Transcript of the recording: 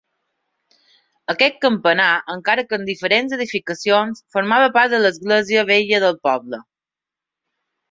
Aquest campanar, encara que en diferents edificacions, formava part de l’església vella del poble.